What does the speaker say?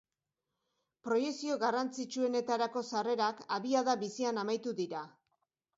Proiekzio garrantzitsuenetarako sarrerak abiada bizian amaitu dira.